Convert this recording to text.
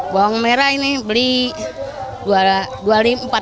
bawang merah ini beli rp empat puluh lima